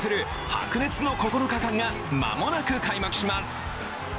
白熱の９日間が間もなく開幕します